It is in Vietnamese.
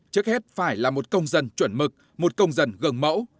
trước hết phải là một công dân chuẩn mực một công dân gần mẫu